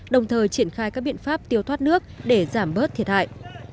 đồng thời triển khai các biện pháp tiêu thoát nước để giảm bớt thiệt hại